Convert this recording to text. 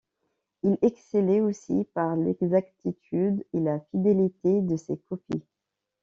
Il excellait aussi par l’exactitude et la fidélité de ses copies.